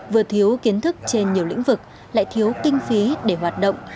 vừa thiếu kiến thức trên nhiều lĩnh vực lại thiếu kinh phí để hoạt động